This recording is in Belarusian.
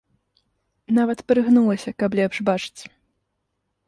Нават прыгнулася, каб лепш бачыць.